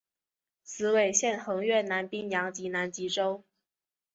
此纬线横越南冰洋及南极洲。